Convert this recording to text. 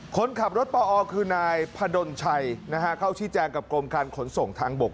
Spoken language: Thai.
คนขับรถปอคือนายพดลชัยเข้าชี้แจงกับกรมการขนส่งทางบก